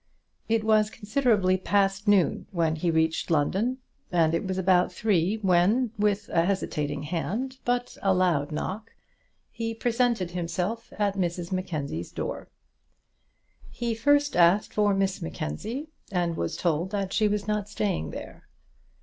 It was considerably past noon when he reached London, and it was about three when, with a hesitating hand, but a loud knock, he presented himself at Mrs Mackenzie's door. He first asked for Miss Mackenzie, and was told that she was not staying there.